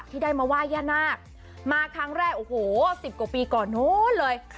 ที่ได้มาไหว้ย่านาคมาครั้งแรกโอ้โห๑๐กว่าปีก่อนโน้นเลย